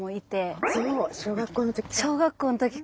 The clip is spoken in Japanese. そう！小学校のときから。